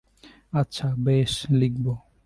আচ্ছা, বেশ, লিখব।